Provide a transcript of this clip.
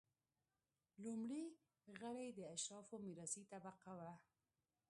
لومړي غړي د اشرافو میراثي طبقه وه.